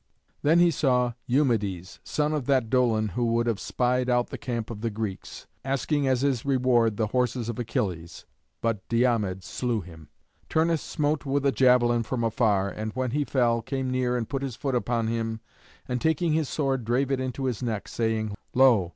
Then he saw Eumedes, son of that Dolon who would have spied out the camp of the Greeks, asking as his reward the horses of Achilles (but Diomed slew him). Him Turnus smote with a javelin from afar, and, when he fell, came near and put his foot upon him, and taking his sword drave it into his neck, saying, "Lo!